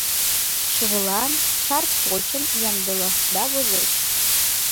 Шыжылан шар почым ямдылашда возеш.